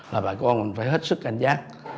là bà con mình phải hết sức cảnh giác